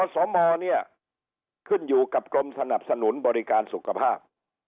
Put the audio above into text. สมเนี่ยขึ้นอยู่กับกรมสนับสนุนบริการสุขภาพ